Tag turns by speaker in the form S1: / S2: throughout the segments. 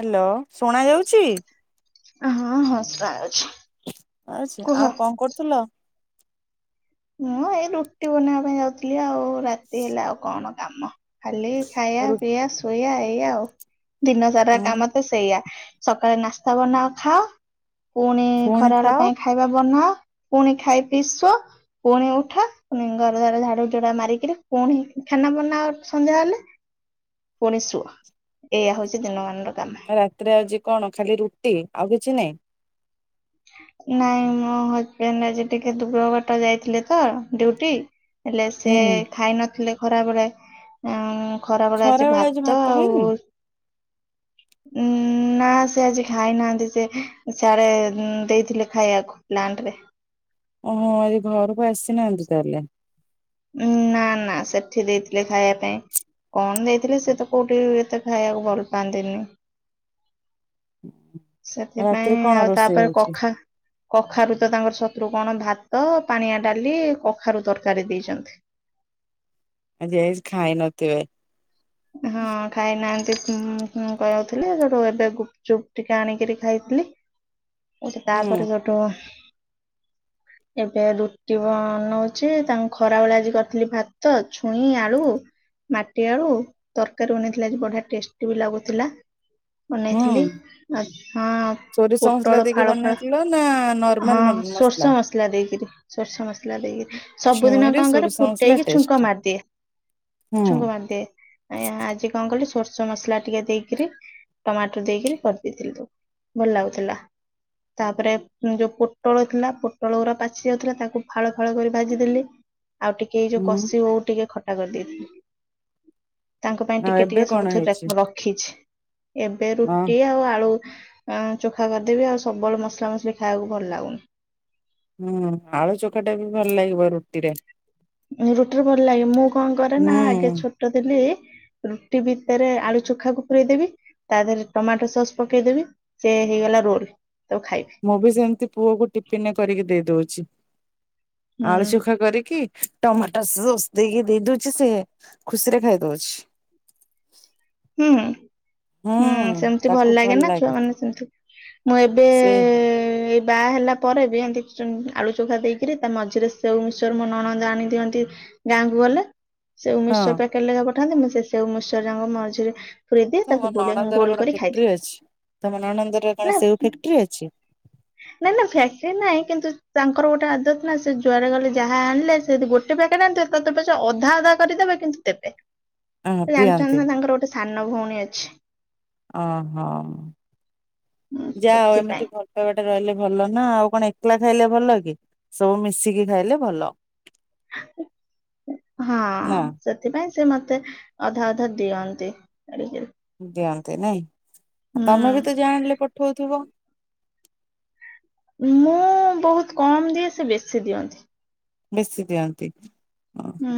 S1: Hello ଶୁଣା ଯାଉଚି?
S2: ହଁ ହଁ ଶୁଣା ଯାଉଚି।
S1: ଆଚ୍ଛା ଆଉ କଣ କରୁଥିଲ?
S2: ମୁଁ ଏଇ ରୁଟି ବନେଇବା ପାଇଁ ଯାଉଥିଲି ଆଉ ରାତି ହେଲା ଆଉ କଣ କାମ। ଖାଲି ଖାଇବା
S1: ରୁ
S2: ପିଇବା ଶୋଇବା ଏଇଆ ଆଉ ଦିନ ସାରା
S1: ହଁ
S2: କାମ ତ ସେଇଆ। ସକାଳେ ନାସ୍ତା ବନାଅ ଖାଅ ପୁଣି ଖରାବେଳ ପାଇଁ ଖାଇବା ବନାଅ। ପୁଣି ଖାଇ ପିଇ ଶୋ। ପୁଣି ଉଠ ପୁଣି ଘର ଦ୍ବାର ଝାଡୁ ଝୁଡା ମାରିକିରି ପୁଣି ଖାନା ବନାଅ ସନ୍ଧ୍ୟା ହେଲେ। ପୁଣି ଶୁଅ ଏଇଆ ହୋଉଚି ଦିନ ମାନର
S1: ରାତିରେ ଆଜି କଣ ଖାଲି ରୁଟି ଆଉ କିଛି ନାଇଁ।
S2: ନାଇଁ ମୋ ହଜବେଣ୍ଟ୍ ଆଜି ଟିକେ ଦୁରବାଟ ଯାଇଥିଲେ ତ ଡ୍ୟୁଟି। ହେଲେ ସେ
S1: ହୁଁ
S2: ଖାଇ ନଥିଲେ ଖରାବେଳେ ଉଁ। ଖରା ବେଳେ ଆଜି ଭାତ ଆଉ ଉଁ। ନାଁ ସେ ଆଜି ଖାଇନାହାନ୍ତି ସେ ସିଆଡେ ଦେଇଥିଲେ ଖାଇବାକୁ ପ୍ଲାଣ୍ଟ ରେ।
S1: ଓହୋ ଆଜି ଘରକୁ ଆସିନାହାନ୍ତି ତାହେଲେ।
S2: ନା ନା ସେଠି ଦେଇଥିଲେ ଖାଇବା ପାଇଁ। କଣ ଦେଇଥିଲି ସେ ତ କୋଉଠି ଏତେ ଖାଇବାକୁ ଭଲ ପାଆନ୍ତିନି।
S1: ଆଉ ରାତିରେ
S2: ସେଥିପାଇଁ
S1: କଣ
S2: ଆଉ
S1: ରୋଷେଇ
S2: ତାପରେ
S1: ହଉଛି
S2: କଖା କଖାରୁ ତ ତାଙ୍କର ଶତ୍ରୁ କଣ ଭାତ ପାଣିଆ ଡାଲି କଖାରୁ ତରକାରୀ ଦେଇଛନ୍ତି।
S1: ଆଜି ଏ [inaudible] ନଥିବେ।
S2: ହଁ ଖାଇନାହାନ୍ତି। ହୁଁ-ହୁଁ-ହୁଁ କହୁଥିଲେ ସେଠୁ ଏବେ ଗୁପଚୁପ୍ ଟିକେ ଆଣିକିରି ଖାଇଥିଲି। ଏଠି
S1: ହୁଁ
S2: ତାପରେ ସେଠୁ
S1: [inaudible]
S2: ଏବେ ରୁଟି ବନଉଛି ତାଙ୍କୁ ଖରାବେଳିଆ ଆଜି କରିଥିଲି ଭାତ ଛୁଇଁ ଆଳୁ ମାଟି ଆଳୁ, ତରକାରୀ ବନେଇଥିଲା ଆଜି ବଢିଆ ଟେଷ୍ଟି ବି ଲାଗୁଥିଲା।
S1: ହୁଁ
S2: ବନେଇଥିଲି ଆ ହଁ
S1: ସୋରିଷ ମସଲା
S2: ପୋଟଳ
S1: ଦେଇକି
S2: ଫାଳ ଫାଳ,
S1: ବନେଇଥିଲ ନା
S2: ହଁ
S1: ନର୍ମାଲ
S2: ସୋରିଷ ମସଲା ଦେଇକିରି ସୋରିଷ ମସଲା ଦେଇକି [inaudible] ସବୁଦିନ
S1: ଛୁଇଁରେ
S2: କଣ କରେ
S1: ସୋରିଷ ମସଲା
S2: ଫୁଟେଇକି
S1: ଟେଷ୍ଟ
S2: ଛୁଙ୍କ ମାରିଦିଏ,
S1: ହୁଁ
S2: ଛୁଙ୍କ ମାରିଦିଏ। ଆଁ ଆଜି କଣ କଲି ସୋରିଷ ମସଲା ଟିକେ ଦେଇକିରି ଟମାଟୋ ଦେଇକିରି କରିଦେଇଥିଲି ତୁ ଭଲ ଲାଗୁଥିଲା। ତାପରେ ଯୋଉ ପୋଟଳ ଥିଲା ପୋଟଳଗୁରା ପାଚି ଯାଉଥିଲା ତାକୁ ଫାଳ ଫାଳ କରି ଭାଜି ଦେଲି। ଆଉ ଟିକେ ଏଇ ଯୋଉ
S1: ହୁଁ
S2: କଷି ଓଉ ଟିକେ ଖଟା କରିଦେଇଥିଲି। ତାଙ୍କ ପାଇଁ
S1: ଆଉ
S2: ଟିକେ
S1: ଏବେ
S2: ଟିକେ
S1: କଣ
S2: ସବୁଥିରୁ
S1: ହେଇଛି
S2: ର ରଖିଛି ଏବେ
S1: ହଁ
S2: ରୁଟି ଆଉ ଆଳୁ ଚୋଖା କରିଦେବି ଆଉ ସବୁବେଳେ ମସଲାମସଲି ଖାଇବାକୁ ଭଲ ଲାଗୁନି।
S1: ହୁଁ, ଆଳୁ ଚକଟା ବି ଭଲ ଲାଗିବ ରୁଟିରେ।
S2: ରୁଟିରେ ଭଲ ଲାଗେ ମୁଁ କଣ କରେ ନା ଆଗେ
S1: ହୁଁ
S2: ଛୋଟ ଥିଲି ରୁଟି ଭିତରେ ଆଳୁ ଚୋଖାକୁ ପୁରେଇଦେବି ତା ଦେହରେ ଟମାଟୋ ସସ୍ ପକେଇଦେବି ସେ ହେଇଗଲା ରୋଲ୍।
S1: ମୁଁ ବି ସେମିତି ପୁଅକୁ ଟିଫିନ କରିକି ଦେଇ ଦେଉଛି।
S2: ହୁଁ
S1: ଆଳୁ ଚୋଖା କରିକି ଟମାଟୋ ସସ୍ ଦେଇକି ଦେଇ ଦେଉଛି ସେ ଖୁସିରେ ଖାଇ ଦଉଛି।
S2: ହୁଁ ହୁଁ
S1: ହୁଁଉ-ଉ
S2: ସେମିତି
S1: ତାକୁ ଭଲ
S2: ନା ଛୁଆ
S1: ଲାଗେ।
S2: ମାନେ ସେମିତି ମୁଁ
S1: ସେ
S2: ଏବେଏ-ଏ-ଏ-ଏ ବାହା ହେଲା ପରେ ବି ଏମିତି ଆଳୁ ଚୋଖା ଦେଇକିରି ତା ମଝିରେ ସେଉମିଶ୍ଚର ମୋ ନଣନ୍ଦ ଆଣି ଦିଅନ୍ତି ଗାଁକୁ ଗଲେ, ସେଉ
S1: ହଁ
S2: ମିଶ୍ଚର ପ୍ୟାକେଟ୍ ଲେଖା ପଠାନ୍ତି ମୁଁ ସେ ସେଉମିଶ୍ଚର ଯାକ ମଝିରେ ପୁରେଇ ଦିଏ ତାକୁ
S1: ତମ
S2: ଗୋଲ
S1: ନଣନ୍ଦର
S2: ଗୋଲ
S1: କଣ
S2: କରି ଖାଇଦିଏ
S1: ଫ୍ୟାକ୍ଟ୍ରି ଅଛି ତମ ନଣନ୍ଦର କଣ ସେଉ ଫ୍ୟାକ୍ଟ୍ରି ଅଛି?
S2: ନାଁ ନାଁ ଫ୍ୟାକ୍ଟ୍ରି ନାହିଁ କିନ୍ତୁ ତାଙ୍କର ଗୋଟେ ଆଦତ ନା, ସେ ଯୁଆଡେ ଗଲେ ଯାହା ଆଣିଲେ ସେ ଗୋଟେ ଗୋଟେ ପ୍ୟାକେଟ୍ ଆଣିଥିବେ ତତେ ପଛେ ଅଧା ଅଧା କରି ଦେବେ କିନ୍ତୁ ଦେବେ।
S1: ହଁ
S2: ସେ
S1: ଦିଅନ୍ତି
S2: ଜାଣିଛନ୍ତି ତାଙ୍କର ଗୋଟେ ସାନ ଭଉଣୀ ଅଛି।
S1: ଓହୋଃ
S2: ଉଁ
S1: ଯାହେଉ
S2: ସେଥିପାଇଁ
S1: ଏମିତି ଭଲପାଇବାଟା ରହିଲେ ଭଲ ନା ଆଉ, କଣ ଏକଲା ଖାଇଲେ ଭଲ କି ସବୁ ମିଶିକି ଖାଇଲେ ଭଲ।
S2: ହଁ
S1: ନା
S2: ସେଥିପାଇଁ ସେ ମତେ ଅଧା ଅଧା ଦିଅନ୍ତି ଆଣିକିରି।
S1: ଦିଅନ୍ତି ନାଇଁ, ଆଉ ତମେ ବି ତ
S2: ହୁଁ
S1: ଯାହା ଆଣିଲେ ପଠଉଥିବ?
S2: ମୁଁ ବହୁତ୍ କମ୍ ଦିଏ ସେ ବେଶୀ ଦିଅନ୍ତି।
S1: ବେଶୀ ଦିଅନ୍ତି।
S2: ହୁଁ,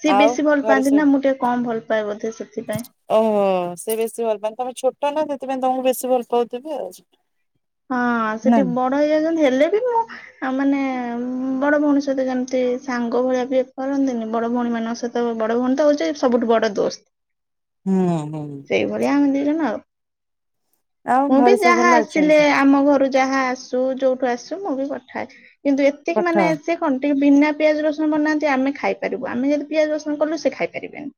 S2: ସିଏ
S1: ଆଉ
S2: ବେଶୀ ଭଲ
S1: ଘରେ
S2: ପାଆନ୍ତି
S1: ସବୁ
S2: ନା, ମୁଁ ଟିକେ କମ୍ ଭଲ ପାଏ ବୋଧେ ସେଥିପାଇଁ‌।
S1: ଓହୋଃ ସେ ବେଶୀ ଭଲ ପାନ୍ତି ତମେ ଛୋଟ ନା, ସେଥିପାଇଁ ତମକୁ ବେଶୀ ଭଲ ପାଉଥିବେ ଆଉ।
S2: ହଁ ସେ
S1: ନା
S2: ଟିକେ ବଡ ହେଇଯାଉଛନ୍ତି ହେଲେ ବି ମୁଁ ଆପ୍
S1: [inaudible]
S2: ଉଁ ବଡ ଭଉଣୀ ସହିତ ଯେମିତି ସାଙ୍ଗ ଭଳିଆ ବିହେଭ୍ କରନ୍ତିନି, ବଡ ଭଉଣୀମାନଙ୍କ ସହିତ ବଡ ଭଉଣୀ ତ ହଉଛି ସବୁ ସବୁଠୁ ବଡ଼ ଦୋସ୍ତ।
S1: ହୁଁ- ହୁଁ।
S2: ସେଇଭଳିଆ [inaudible]
S1: ଆଉ
S2: ମୁଁ ବି
S1: ଘରେ ସବୁ
S2: ଯାହା
S1: ଭଲ
S2: ଆସିଲେ
S1: ଅଛନ୍ତି
S2: ଆମ ଘରୁ ଯାହା ଆସୁ ଯୋଉଠୁ ଆସୁ ମୁଁ ବି ପଠାଏ କିନ୍ତୁ ଏତିକି
S1: ପାଠ।
S2: ମାନେ ସେ କଣ ଟିକେ ବିନା ପିଆଜ ରସୁଣ ବନାନ୍ତି ଆମେ ଖାଇପାରିବୁ, ଆମେ ଯଦି ପିଆଜ ରସୁଣ କଲୁ ସେ ଖାଇ ପାରିବେନି।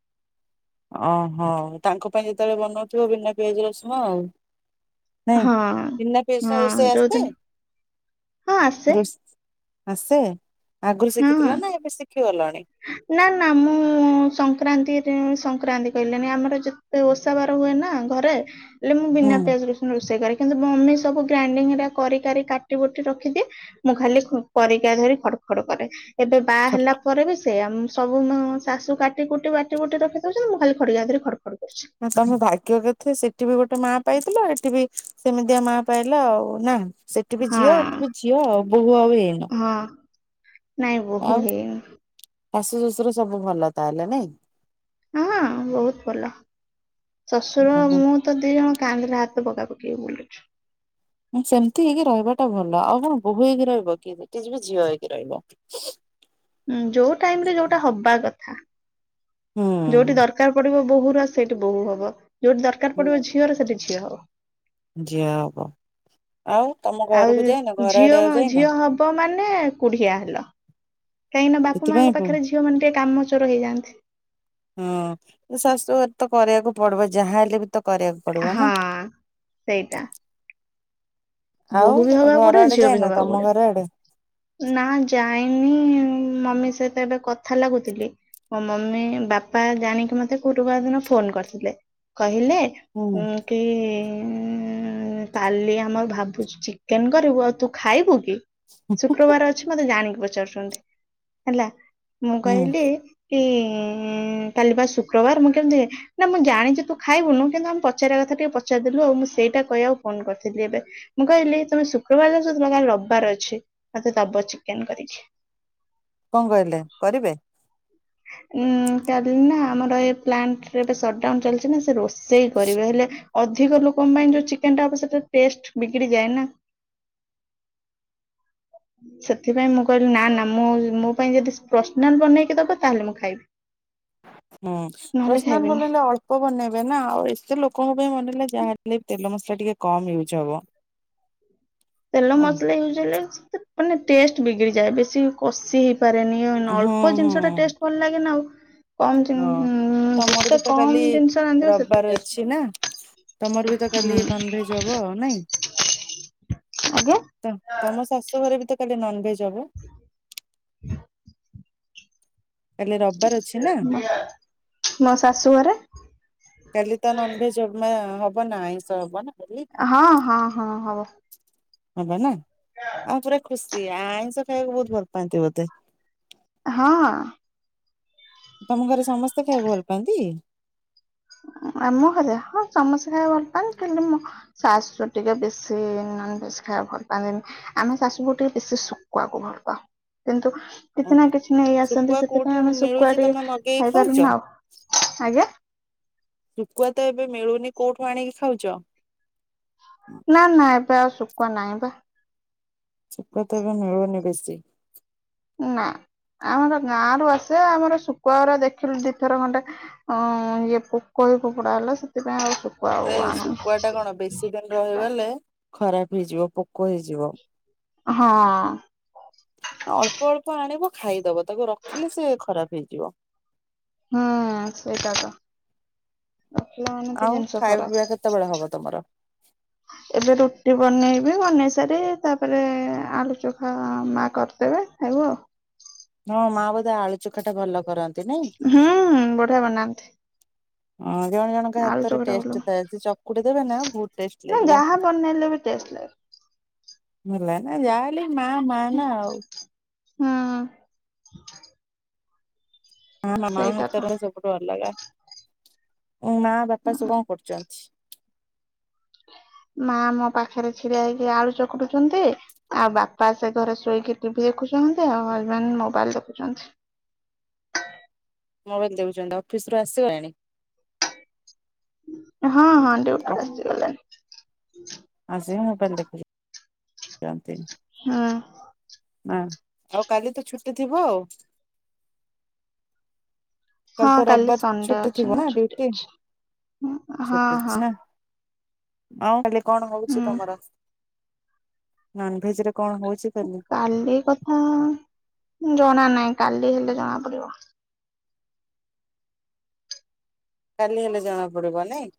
S1: ଓହୋଃ ତାଙ୍କ ପାଇଁ ଯେତେବେଳେ ବନଉଥିବ ବିନା ପିଆଜ ରସୁଣ ଆଉ। ନାଇଁ?
S2: ହଁ
S1: ବିନା ପିଆଜ ରସୁଣ
S2: ହଁ
S1: ରୋଷେଇ ଆସେ?
S2: ଯୋଉଦିନ ହଁ ଆସେ
S1: ରୋଷ୍ ଆସେ? ଆଗରୁ ଶିଖିଥିଲ
S2: ନାଁ!
S1: ନା ଏବେ ଶିଖିଗଲଣି।
S2: ନା ନା ମୁଁ ଉଁ ସଂକ୍ରାନ୍ତି ଏଁ ସଂକ୍ରାନ୍ତି କହିଲେଣି। ଆମର ଯେତେ ଓଷା ବାର ହୁଏ ନା ଘରେ ହେଲେ ମୁଁ
S1: ହୁଁ
S2: ବିନା ପିଆଜ ରସୁନ ରୋଷେଇ କରେ। କିନ୍ତୁ ମମି ସ ସବୁ ଗ୍ରାଇଣ୍ଡିଙ୍ଗରେ କରିକାରି କାଟିିବୁଟି ରଖିଦିଏ। ମୁଁ ଖାଲି ଖ- ଖରିକା ଧରି ଖଡ଼୍ ଖଡ୍ କରେ। ଏବେ ବାହା ହେଲା ପରେ ବି ସେଆ ମ୍ ସବୁ ମୋ ଶାଶୁ କାଟି କୁଟି ବାଟି ବୁଟି ରଖିଦଉଛନ୍ତି। ମୁଁ ଖାଲି ଖଡିକା ଧରି ଖଡ୍ ଖଡ୍
S1: ନା ତମେ ଭାଗ୍ୟ କେତେ? ସେଠି ବି ଗୋଟେ ମାଁ ପାଇଥିଲ। ଏଠି ବି ସେମିତିଆ ମାଁ ପାଇଲ ଆଉ ନା। ସେଠି ବି ଝିଅ,
S2: ହଁ
S1: ଏଠି ବି ଝିଅ, ଆଉ ବୋହୂ ଆଉ ହେଇନ?
S2: ହଁ ନାଇଁ ବହୁ
S1: ଆଉ
S2: ହେଇନି।
S1: ଶାଶୁ ଶ୍ୱଶୁର ସବୁ ଭଲ। ତାହେଲେ ନାଇଁ।
S2: ହଁ ବହୁତ ଭଲ। ଶ୍ୱଶୁର
S1: ନାଇଁ।
S2: ମୁଁ ତ ଦି ଜଣ କାନ୍ଦରେ ହାତ ପକାପକି। କେ ବୋଲୁଛୁ।
S1: ବହୁ ହେଇକି ରହିବ କି? ସେଠି ଯିବି ଝିଅ ହେଇକି ରହିବ।
S2: ଉଁ ଯୋଉ ଟାଇମ୍ ରେ ଯୋଉଟା ହବା କଥା। ଯୋଉଠି
S1: ହୁଁ
S2: ଦରକାର ପଡିବ, ବୋହୂ ର ସେଇଠି ବୋହୂ ହବ। ଯୋଉଠି ଦରକାର ପଡିବ ଝିଅର ସେଠି ଝିଅ ହଉ।
S1: ଯିଆ ଅବ।
S2: ଆଉ ଝିଅମ
S1: ଯାଇନ
S2: ଝିଅ ହବ ମାନେ, କୁଢିଆ ହେଲ। କାହିଁକି ନା ବାପା
S1: ସେଥିପାଇଁ
S2: ମାଆଙ୍କ
S1: ବୁ
S2: ପାଖରେ ଝିଅ ମାନେ ଟିକେ କାମଚୋର ହେଇଯାଆନ୍ତି।
S1: ହଁ, ଶାଶୁ ଘରେ ତ କରିବାକୁ ପଡିବ। ଯାହାହଲେ ବି ତ କରିବାକୁ ପଡିବ ନା।
S2: ହଁ ସେଇଟା।
S1: ଆଉ
S2: ବୋହୂ ବି ହବାକୁ
S1: ଘର
S2: ପଡିବ,
S1: ଆଡେ
S2: ଝିଅବି
S1: ଯାଇନ
S2: ହବାକୁ
S1: ତମ ଘର ଆଡେ
S2: ପଡିବ। ନା ଯାଇନି-ଇଁ। ମମି ସହିତ ଏବେ କଥା ଲାଗୁଥିଲି। ମୋ ମମି ବାପା ଜାଣିକି ମତେ ଗୁରୁବାର ଦିନ ଫୋନ କରିଥିଲେ। କ ଲେ,
S1: ହୁଁ
S2: କି-ଇଁ -ଇଁ -ଇଁ କାଲି ଆମର ଭାବ ତୁ ଚିକେନ କରିବୁ, ଆଉ ତୁ ଖାଇବୁ କି? ଶୁକ୍ରବାର ଅଛି ମତେ ଜାଣି କି ପଚା ପଚାରୁଚନ୍ତି। ହେଲା ମୁଁ
S1: ହୁଁ
S2: କହିଲି କି-ଇଁ -ଇଁ -ଇଁ ଇଁ କାଲିବା ଶୁକ୍ରବାର! ମୁଁ କେମିତି ନା ମୁଁ ଜାଣିଛି ତୁ ଖାଇବୁନୁ, କିନ୍ତୁ ଆମେ ପଚାରିବା କଥା ଟିକେ ପଚାରିଦେଲୁ ଆଉ। ମୁଁ ସେଇଟା କହିବାକୁ ଫୋନ କରିଥିଲି ଏବେ। ମୁଁ କହିଲି ତମେ ଶୁକ୍ରବାର [unintelligible] ରବିବାର ଅଛି ମତେ ଦବ ଚିକେନ କରିକି।
S1: କଣ କହିଲେ କରିବେ?
S2: ଉଁ କାଲି ନା ଆମର ଏ ପ୍ଲାଣ୍ଟରେ ଏବେ ସଟଡାଉନ ଚାଲିଛି ନା। ସେ ରୋଷେଇ କରିବେ ହେଲେ ଅଧିକ ଲୋକଙ୍କ ପାଇଁ ଯୋଉ ଚିକେନ ଟା ହବ! ସେଟା ଟେଷ୍ଟ ବିଗିଡି ଯାଏ ନା।
S1: ଆ
S2: ସେଥିପାଇଁ ମୁଁ କହିଲି, ନା ନା ମୁଁ ମୋ ପାଇଁ ଯଦି ପର୍ସନାଲ ବନେଇକି ଦବ। ତାହେଲେ ମୁଁ ଖାଇବି।
S1: ହୁଁ,
S2: ନହେଲେ
S1: ପ୍ରଶନାଲ
S2: ଖାଇବିନି
S1: ବନେଇଲେ ଅଳ୍ପ ବନେଇବେ ନା, ଆଉ ଏତେ ଲୋକଙ୍କ ପାଇଁ ବନେଇଲେ ଯାହେଲେ ତେଲ ମସଲା ଟିକେ କମ୍ ୟୁଜ୍ ହବ।
S2: ତେଲ
S1: ହୁଁ
S2: ମସଲା ୟୁଜ ହେଲେ ମାନେ ଟେଷ୍ଟ ବିଗିଡିଯାଏ। ବେଶୀ କଷି ହେଇ ପାରେନି।
S1: ହୁଁ।
S2: ଅଳ୍ପ ଜିନିଷ ଟା
S1: ହୁଁ।
S2: ଟେଷ୍ଟ ଭଲ ଲାଗେନ ଆଉ।
S1: ହଁ,
S2: କମ
S1: ତମର
S2: ଯେତେ
S1: ବି ତ କାଲି
S2: କମ ଜିନିଷ ରାନ୍ଧିବ ସେତେ
S1: ରବିବାର
S2: ଟେଷ୍ଟ
S1: ଅଛି ନା। ତମର ବି ତ କାଲି
S2: ହୁଁ।
S1: ନନ୍ ଭେଜ ହବ ଆଉ ନାଇଁ।
S2: ଆଜ୍ଞା
S1: ତ-ତମ ଶାଶୁଘର ରେ ବିତ ନନ୍ ଭେଜ ହବ? କାଲି ରବିବାର ଅଛି ନା
S2: ମୋ ଶାଶୁ ଘରେ
S1: କାଲି ତ ନନ୍ ଭେଜ ହବା ହବ ନା ଆଇଁଷ ହବନା?
S2: ହଁ ହଁ ହଁ ହବ।
S1: ହବା ନା ଆଉ ପୁରା ଖୁସି! ଆ-ଆଇଁଷ ଖାଇବାକୁ ବହୁତ ଭଲ ପାଆନ୍ତି ବୋଧେ!
S2: ହଁ।
S1: ତମ ଘରେ ସମସ୍ତେ ଖାଇବାକୁ ଭଲ ପାଆନ୍ତି?
S2: ଆମ ଘରେ ହଁ ସମସ୍ତେ ଖାଇବାକୁ ଭଲ ପାଆନ। କିନ୍ତୁ ମୋ ଶାଶୁ ଟିକେ ବେଶୀ ନନଭେଜ୍ ଖା [unintelligible] ଭଲ ପାଏନି। ଆମେ ଶାଶୁ ବହୁ ଟିକେ ବେଶୀ ଶୁକୁୁଆକୁ ଭଲ ପାଉ। କିନ୍ତୁ କିଛି ନା
S1: ଓହୋ
S2: କିଛି ନେଇ ଆସନ୍ତି
S1: ଶୁଖୁଆ କୋଉଠି
S2: ସେଥିପାଇଁ ଆମେ ଶୁକୁଆ
S1: ମିଳୁଛି ତମେ
S2: ଟିକେ
S1: ମଗେଇକି
S2: ଖାଇପାରୁନୁ ଆଉ। ଆଜ୍ଞା।
S1: ଶୁକୁଆ ତ ଏବେ ମିଳୁନି କୋଉଠୁ ଆଣିକି ଖାଉଚ?
S2: ନା ନା ଏବେ ଆଉ ଶୁକୁଆ ନାହିଁ ପା।
S1: ଶୁକୁଆ ତ ଏବେ ମିଳୁନି ବେଶି।
S2: ନା। ଆମର ଗାଁ ରୁ ଆସେ। ଆମର ଶୁକୁଆଗୁରା ଦେଖିଲୁ ଦିଥର ଖଣ୍ଡେ ଅଁ, ଇଏ ପୋକ ଏ ଫୋପଡା ହେଲା। ସେଥିପାଇଁ ଆଉ ଶୁ
S1: ଏ ଶୁକୁଆ ଟା କଣ ବେଶୀ ଦିନ ରହିଗଲେ ଖରାପ ହେଇଯିବ ପୋକ ହେଇଯିବ।
S2: ହଁ
S1: ଅଳ୍ପ ଅଳ୍ପ ଆଣିବ। ଖାଇଦବ ତାକୁ ରଖିଲେ ସେ ଖରାପ ହେଇଯିବ।
S2: ହୁଁ ସେଇଟା ତ। ରଖିଲା ମାନେ ତ
S1: ଆଉ
S2: ଜିନିଷ
S1: ଖାଇବା ପିଇବା କେତେବେଳେ
S2: ଖରାପ।
S1: ହବ ତମର?
S2: ଏବେ ରୁଟି ବନେଇବି ବନେଇ ସା ଚାରେ ତାପରେ ଆଳୁ ଚଖା ମା କରିଦେବେ ଖାଇବୁ ଆଉ।
S1: ହଁ ମା ବୋଧେ ଆଳୁ ଚଖଟା ଭଲ କରନ୍ତି ନାଇଁ।
S2: ହୁଁ ବଢିଆ ବନାନ୍ତି।
S1: ହଁ ଜଣ ଜଣଙ୍କ
S2: ଆଳୁ
S1: ହାତରେ
S2: ଚକଟା ଭଲ
S1: ଟେଷ୍ଟ ଥାଏ। ସେ ଚକୁଟି ଦେବେ ନା ଭୁ
S2: ନା ଯାହା ବନେଇଲେ ବି ଟେଷ୍ଟ ଲାଗେ।
S1: ଭଲ ନା ଯାହେଲେ ମା ମା ନା ଆଉ।
S2: ହଁ।
S1: ହଁ ମୋ ମା ହାତ ର [inaudible] ସବୁୁଠୁ ଅଲଗା। ଉଁ, ମା, ବାପା ସବୁ କଣ କରୁଚନ୍ତି?
S2: ମା ମୋ ପାଖରେ ଛିଡା ହେଇକି ଆଳୁ ଚକଟୁଚନ୍ତି। ଆଉ ବାପା ସେ ଘରେ ଶୋଇକି ଟିଭି ଦେଖୁଛନ୍ତି। ଆଉ ହଜବେଣ୍ଡ ମୋବାଇଲ୍ ଦେଖୁଛନ୍ତି।
S1: ମୋବାଇଲ୍ ଦେଉଚନ୍ତି। ଅଫିସ୍ ରୁ ଆସଗଲେଣି?
S2: ହଁ, ହଁ ଡିଉଟିରୁ ଆସିଗଲେଣି।
S1: ଆସିକି ମୋବାଇଲ୍ ଦେଖୁଛ ଚନ୍ତି।
S2: ହଁ।
S1: ମା ଆଉ କାଲି ତ ଛୁଟି ଥିବ ଆଉ। କାଲି
S2: ହଁ
S1: ତ ରବବାର
S2: ସଣ୍ଡେ
S1: ଛୁଟି
S2: ଅଛି
S1: ଥିବ ନା
S2: ଛୁଟି
S1: ଡିଉଟି?
S2: ଅଛି ହଁ
S1: ଛୁଟି
S2: ହଁ
S1: ଅଛି ନା। ଆଉ କାଲି କଣ ହଉଛି ତୋମର?
S2: ହୁଁ
S1: ନନଉେଜ୍ ର
S2: କାଲି କଥା ଜଣା ନାହିଁ। କାଲି ହେଲେ ଜଣା ପଡିବ।
S1: କାଲି ହେଲେ ଜଣା ପଡିବ ନାଇଁ?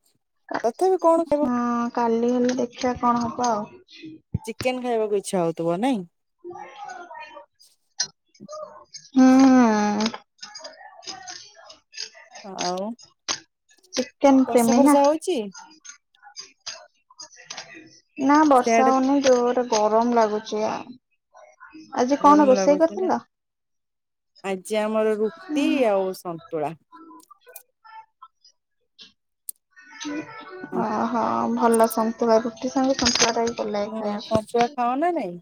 S1: ତଥାପି କଣ ଖାଇବ
S2: ହଁ କାଲି ହେଲେ ଦେଖିଆ କଣ ହବ ଆଉ।
S1: ଚିକେନ୍ ଖାଇବାକୁ ଇଚ୍ଛା ହଉଥିବ ନାଇଁ।
S2: ହଁ ଆଁ, [unintelligible]
S1: ଆଉ
S2: ଚିକେନ୍
S1: ବର୍ଷା
S2: ପ୍ରେମି ନା।
S1: ଫର୍ଷା ହଉଛି
S2: ନା ବର୍ଷା
S1: ସେଆଡେ
S2: ହଉନି ଜୋରରେ ଗରମ ଲାଗୁଚି। ଆ ଆଜି
S1: ଗରମ
S2: କଣ ରୋଷେଇ
S1: ଲାଗୁଛି ନାଇଁ
S2: କରିଥିଲ?
S1: ଆଜି ଆମର ରୁଟି ଆଉ ସନ୍ତୁଳା।
S2: ଓହୋ! ଭଲ ସନ୍ତୁଳା ରୁଟି ସାଙ୍ଗେ ସନ୍ତୁଳା ଟା ବି ଭଲ ଲାଗେ
S1: ହୁଁ ସନ୍ତୁଳା
S2: ଖାଇବାକୁ।
S1: ଖାଅ ନା ନାଇଁ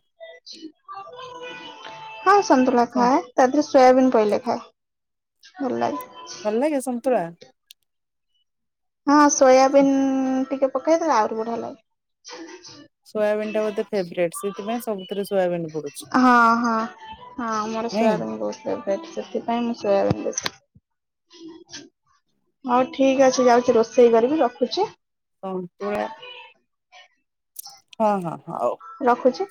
S2: ହଁ ସନ୍ତୁଳା ଖାଏ। ତା ଦେହରେ ସୋୟାବିନ୍ ପଇଲେ ଖାଏ। ଭଲ ଲାଗେ।
S1: ଭଲ ଲାଗେ ସନ୍ତୁଳା?
S2: ହଁ ସୋୟାବିିନ ଟିକେ ପକେଇଦେଲେ ଆହୁରି ବଢିଆ ଲାଗେ।
S1: ସୋୟାବିନ୍ ଟା ବୋଧେ ଫେବରେଟ୍ ସେଥିପାଇଁ ସବୁଥିରେ ସୋୟାବିନ୍ ପଡୁଛି।
S2: ହଁ ହଁ। ହଁ ଆମର
S1: ନାଇଁ
S2: ସୋୟାବିନ ବହୁତ୍ ଫେବ ସେଥିପାଇଁ ମୁଁ ସୋୟାବିନ୍ ବେଶୀ ହଉ ଠିକ ଅଛି। ଯାଉଛି ରୋଷେଇ କରିବି। ରଖୁଛି।
S1: ହଉ ତୁଲେ ହଁ ହଁ। ହଉ
S2: ରଖୁଛି।